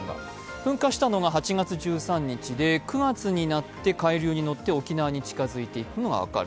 噴火したのが８月１３日で９月になって海流に乗って沖縄に近づいていくのが分かる。